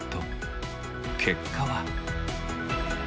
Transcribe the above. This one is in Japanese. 結果は？